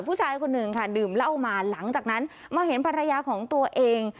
ผู้ชายคนหนึ่งค่ะดื่มเหล้ามาหลังจากนั้นมาเห็นภรรยาของตัวเอง